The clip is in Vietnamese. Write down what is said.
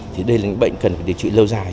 thì đây là những bệnh cần phải điều trị lâu dài